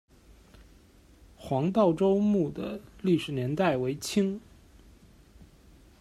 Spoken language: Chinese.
黄道周墓的历史年代为清。